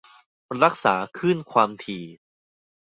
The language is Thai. รักษาคลื่นความถี่